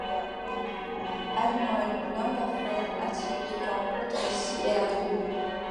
Arnold, homme d'affaires atypique rencontre Lucie et la trouble.